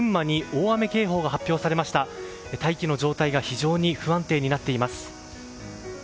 大気の状態が非常に不安定になっています。